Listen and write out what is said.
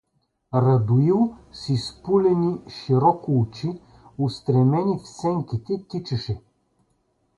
Радоил с изпулени широко очи, устремени в сенките, тичаше.